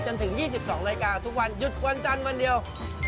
จนถึง๒๒นาฬิกาทุกวันหยุดวันจันทร์วันเดียว